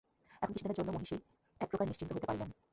এখন কিছুদিনের জন্য মহিষী একপ্রকার নিশ্চিন্ত হইতে পারিলেন।